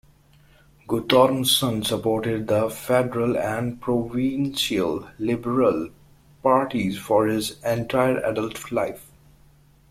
Guttormson supported the federal and provincial Liberal parties for his entire adult life.